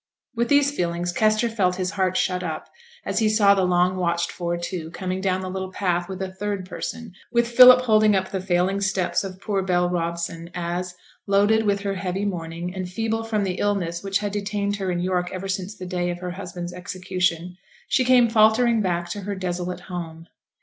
With these feelings Kester felt his heart shut up as he saw the long watched for two coming down the little path with a third person; with Philip holding up the failing steps of poor Bell Robson, as, loaded with her heavy mourning, and feeble from the illness which had detained her in York ever since the day of her husband's execution, she came faltering back to her desolate home.